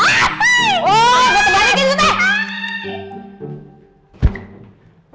oh nggak terbalik itu teh